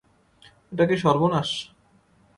এটা কি সর্বনাশ?